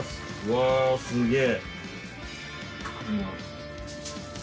わあすげえ。